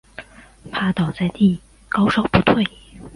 趴倒在地高烧不退